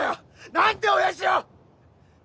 ⁉何で親父を！